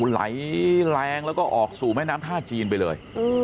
ไหลแรงแล้วก็ออกสู่แม่น้ำท่าจีนไปเลย